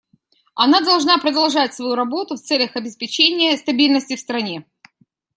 Она должна продолжать свою работу в целях обеспечения стабильности в стране.